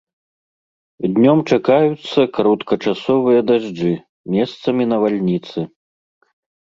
Днём чакаюцца кароткачасовыя дажджы, месцамі навальніцы.